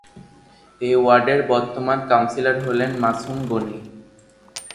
এ ওয়ার্ডের বর্তমান কাউন্সিলর হলেন মাসুম গনি।